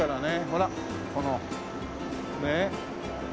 ほらこのねえ。